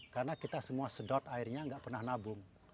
karena kita semua sedot airnya nggak pernah nabung